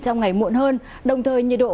trong ngày muộn hơn đồng thời nhiệt độ